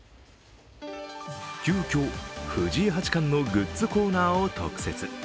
急きょ、藤井八冠のグッズコーナーを特設。